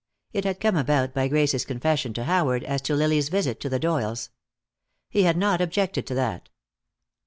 It had come about by Grace's confession to Howard as to Lily's visit to the Doyles. He had not objected to that.